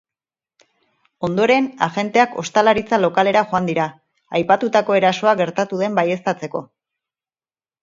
Ondoren, agenteak ostalaritza lokalera joan dira, aipatutako erasoa gertatu den baieztatzeko.